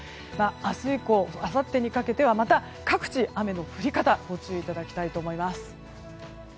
明日以降、あさってにかけてはまた各地、雨の降り方にご注意いただきたいと思います。